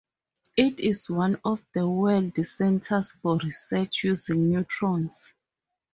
It is one of the world centres for research using neutrons.